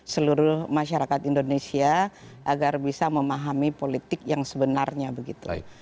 seluruh masyarakat indonesia agar bisa memahami politik yang sebenarnya begitu